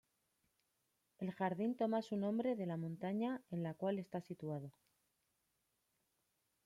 El jardín toma su nombre de la montaña en la cual está situado.